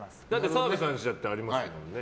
澤部さんちだってありますもんね。